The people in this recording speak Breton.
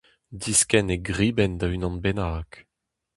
Diskenn e gribenn da unan bennak.